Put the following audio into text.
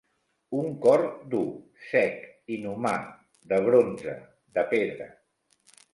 Un cor dur, sec, inhumà, de bronze, de pedra.